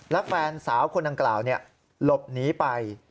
และแฟนสาวคนดังกล่าวหลบหนีไป